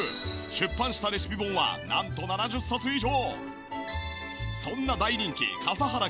出版したレシピ本はなんと７０冊以上！